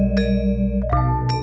tidak perlu bergengseh